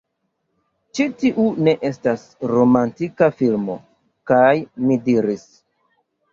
Ĉi tiu ne estas romantika filmo! kaj mi diris: